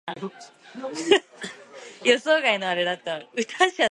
Primarily refers to something that is mainly or mostly the case.